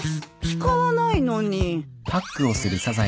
使わないのに。